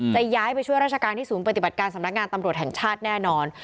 ย้ายไปช่วยราชการที่ศูนย์ปฏิบัติการสำนักงานตำรวจแห่งชาติแน่นอน